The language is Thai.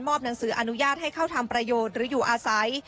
หนังสืออนุญาตให้เข้าทำประโยชน์หรืออยู่อาศัย